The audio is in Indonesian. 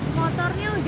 motornya udah betul